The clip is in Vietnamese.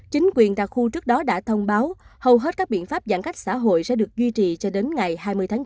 chính quyền đặc khu trước đó đã thông báo hầu hết các biện pháp giãn cách xã hội sẽ được duy trì cho đến ngày hai mươi tháng chín